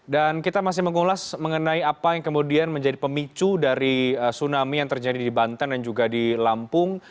dan kita masih mengulas mengenai apa yang kemudian menjadi pemicu dari tsunami yang terjadi di banten dan juga di lampung